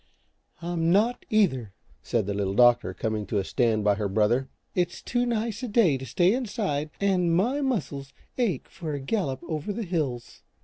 "I'm not, either," said the Little Doctor, coming to stand by her brother; "it's too nice a day to stay inside, and my muscles ache for a gallop over the hills."